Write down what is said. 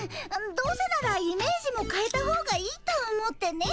どうせならイメージもかえたほうがいいと思ってね。